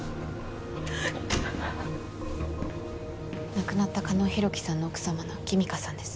亡くなった狩野浩紀さんの奥様の君香さんです